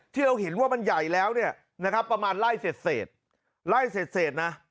ที่เราเห็นว่ามันใหญ่แล้วเนี่ยนะครับประมาณไล่เศษไล่เสร็จนะ